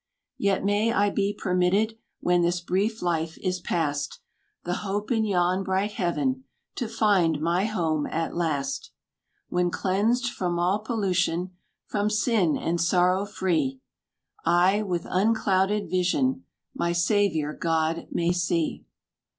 Yet may I be permitted, When this brief life is past, The hope in yon bright heaven, To find my home at last. When cleansed from all pollution, From sin and sorrow free, I, with unclouded vision, My Saviour God may see.